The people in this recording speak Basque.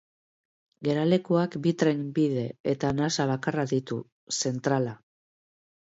Geralekuak bi trenbide eta nasa bakarra ditu, zentrala.